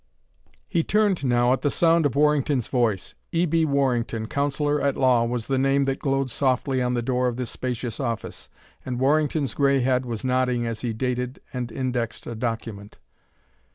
He turned now at the sound of Warrington's voice. E. B. Warrington, Counsellor at Law, was the name that glowed softly on the door of this spacious office, and Warrington's gray head was nodding as he dated and indexed a document.